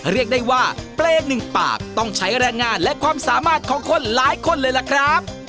เรียกได้ว่าเปรย์หนึ่งปากต้องใช้แรงงานและความสามารถของคนหลายคนเลยล่ะครับ